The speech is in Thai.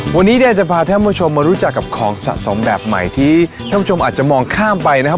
วันนี้เนี่ยจะพาท่านผู้ชมมารู้จักกับของสะสมแบบใหม่ที่ท่านผู้ชมอาจจะมองข้ามไปนะครับ